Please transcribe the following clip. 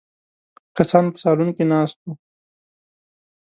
کسان په سالون کې ناست وو.